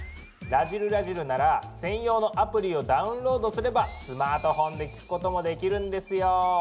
「らじる★らじる」なら専用のアプリをダウンロードすればスマートフォンで聞くこともできるんですよ。